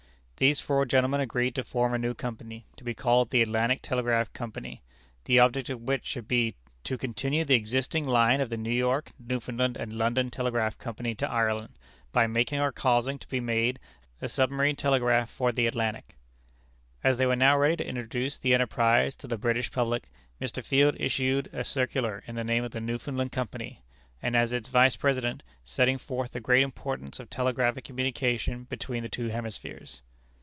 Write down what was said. These four gentlemen agreed to form a new company, to be called The Atlantic Telegraph Company, the object of which should be "to continue the existing line of the New York, Newfoundland, and London Telegraph Company to Ireland, by making or causing to be made a submarine telegraph cable for the Atlantic." As they were now ready to introduce the enterprise to the British public, Mr. Field issued a circular in the name of the Newfoundland Company, and as its Vice President, setting forth the great importance of telegraphic communication between the two hemispheres.